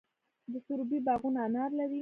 د سروبي باغونه انار لري.